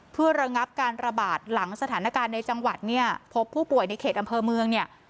เพื่อระงับการระบาดหลังสถานการณ์ในจังหวัดเนี่ยพบผู้ป่วยในเขตอำเภอเมืองเนี่ย